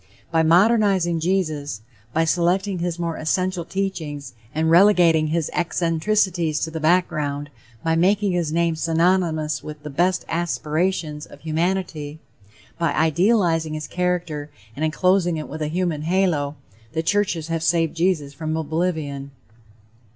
By modernizing Jesus, by selecting his more essential teachings, and relegating his eccentricities to the background, by making his name synonymous with the best aspirations of humanity, by idealizing his character and enclosing it with a human halo, the churches have saved Jesus from oblivion.